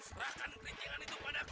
serahkan kerincian itu padaku